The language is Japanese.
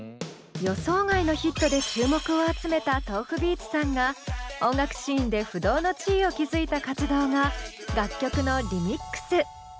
予想外のヒットで注目を集めたｔｏｆｕｂｅａｔｓさんが音楽シーンで不動の地位を築いた活動が楽曲のリミックス。